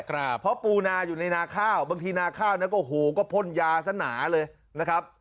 เพราะปูนาอยู่ในนาข้าวบางทีนาข้าวนั้นก็พ่นยาสักหนาเลยนะครับ